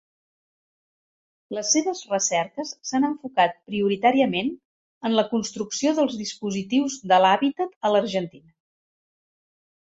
Les seves recerques s'han enfocat prioritàriament en la construcció dels dispositius de l'hàbitat a Argentina.